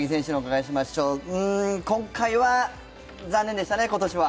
今回は残念でしたね、今年は。